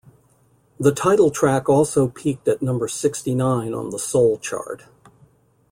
The title track also peaked at number sixty-nine on the soul chart.